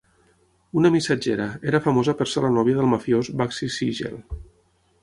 Una missatgera, era famosa per ser la nòvia del mafiós Bugsy Siegel.